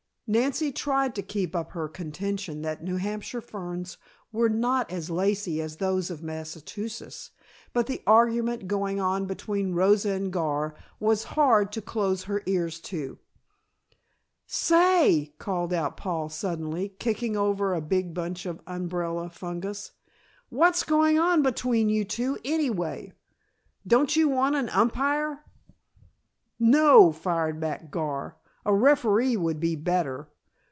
Nancy tried to keep up her contention that New Hampshire ferns were not as lacy as those of Massachusetts, but the argument going on between Rosa and Gar was hard to close her ears to. "Say!" called out Paul suddenly, kicking over a big bunch of "umbrella fungus," "what's going on between you two anyway? Don't you want an umpire?" "No," fired back Gar, "a referee would be better.